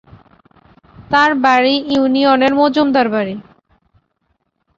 তার বাড়ি ইউনিয়নের মজুমদার বাড়ি।